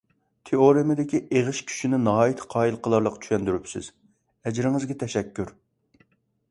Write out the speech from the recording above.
تېئورېمىدىكى ئېغىش كۈچىنى ناھايىتى قايىل قىلارلىق چۈشەندۈرۈپسىز، ئەجرىڭىزگە تەشەككۈر.